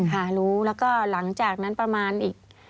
ค่ะรู้แล้วก็หลังจากนั้นประมาณอีก